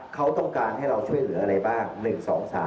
เขาต้องการให้เราช่วยเหลืออะไรบ้าง